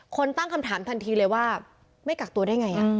ตั้งคำถามทันทีเลยว่าไม่กักตัวได้ไง